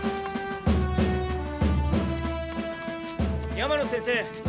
山野先生。